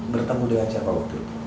bertemu dengan siapa waktu itu